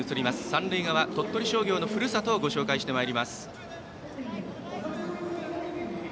三塁側、鳥取商業のふるさとをご紹介してまいります。